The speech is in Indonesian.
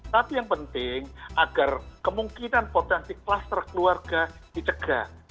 tapi yang penting agar kemungkinan potensi kluster keluarga dicegah